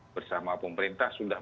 bersama pemerintah sudah